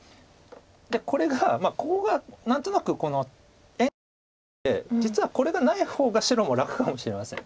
これがここが何となく援軍のようで実はこれがない方が白も楽かもしれません。